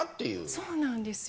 そうなんですよ。